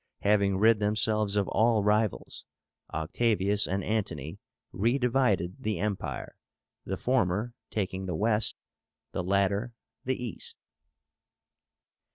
Having rid themselves of all rivals, Octavius and Antony redivided the Empire, the former taking the West, the latter the East.